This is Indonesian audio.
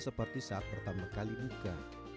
seperti saat pertama kali buka